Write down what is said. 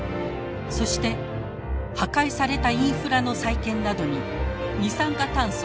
そして破壊されたインフラの再建などに二酸化炭素